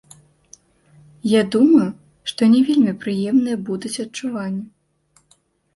Я думаю, што не вельмі прыемныя будуць адчуванні.